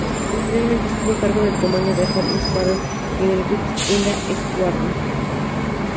Posteriormente estuvo a cargo del comando del "Home Squadron" y del "West India Squadron".